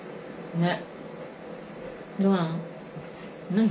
ねっ？